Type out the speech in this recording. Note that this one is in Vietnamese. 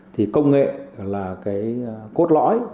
thì công nghệ là cốt lõi